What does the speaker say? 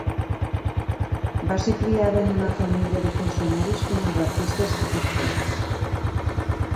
Va ser criada en una família de funcionaris com a Baptista estricte.